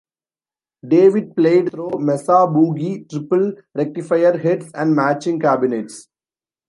David played through Mesa Boogie triple rectifier heads and matching cabinets.